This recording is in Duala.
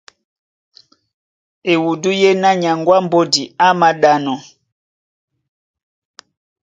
Ewudú yéná nyaŋgó á mbódi á māɗánɔ́,